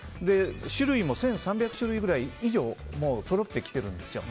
種類も１３００種類以上そろってきてるんですよ。